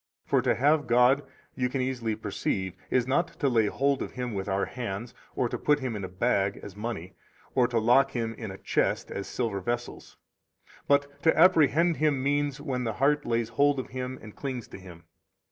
For to have God, you can easily perceive, is not to lay hold of Him with our hands or to put Him in a bag [as money], or to lock Him in a chest [as silver vessels]. 14 But to apprehend Him means when the heart lays hold of Him and clings to Him.